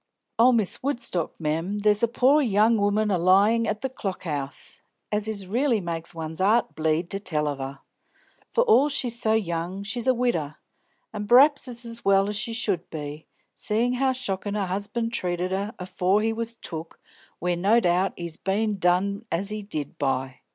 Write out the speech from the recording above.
"Oh, Miss Woodstock, mem, there's a poor young 'oman a lyin' at the Clock 'Ouse, as it really makes one's 'art bleed to tell of her! For all she's so young, she's a widder, an' pr'aps it's as well she should be, seein' how shockin' her 'usband treated her afore he was took where no doubt he's bein' done as he did by.